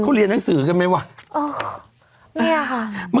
เขาเรียนหนังสือกันไหมวะ